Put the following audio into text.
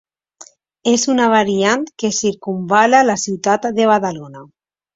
És una variant que circumval·la la ciutat de Badalona.